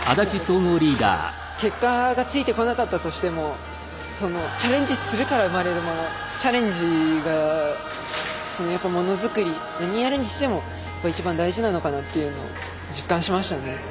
結果がついてこなかったとしてもチャレンジするから生まれるものチャレンジがやっぱりものづくり何やるにしても一番大事なのかなっていうのを実感しましたね。